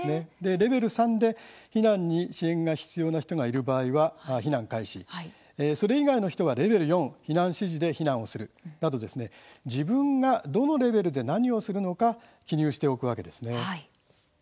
レベル３で避難に支援が必要な人がいる場合は避難開始それ以外の人はレベル４の避難指示で避難をするなど自分がどのレベルで何をするのか記入しておくわけです。